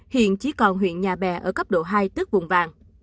hiện chỉ còn huyện nhà bè ở cấp độ hai tức vùng vàng